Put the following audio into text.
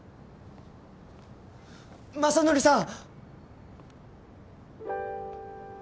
雅紀さん！